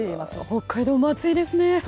北海道も暑いですね。